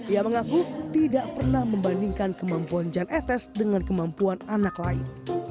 ia mengaku tidak pernah membandingkan kemampuan jan etes dengan kemampuan anak lain